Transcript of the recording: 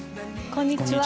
こんにちは。